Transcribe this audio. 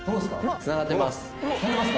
つながってます。